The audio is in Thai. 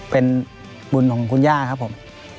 เป็นบุญของคุณย่าครับผม